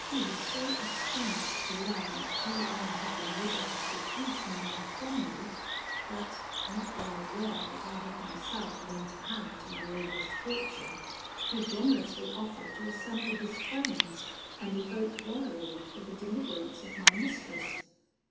"He was so astonished to learn that G M had been able to seduce Manon from me, that, not being aware that I had myself lent a hand to my own misfortune, he generously offered to assemble his friends, and evoke their aid for the deliverance of my mistress.